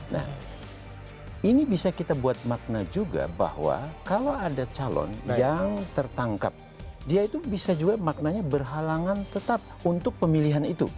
nah ini bisa kita buat makna juga bahwa kalau ada calon yang tertangkap dia itu bisa juga maknanya berhalangan tetap untuk pemilihan itu